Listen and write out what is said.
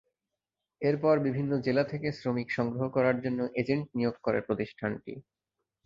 এরপর বিভিন্ন জেলা থেকে শ্রমিক সংগ্রহ করার জন্য এজেন্ট নিয়োগ করে প্রতিষ্ঠানটি।